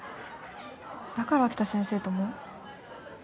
だから秋田先生とも